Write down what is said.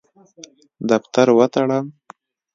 دفتر وتړم.